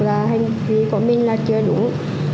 là hành vi của mình là chưa đúng